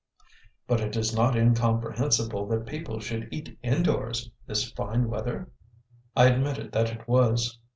"But is it not incomprehensible that people should eat indoors this fine weather?" I admitted that it was.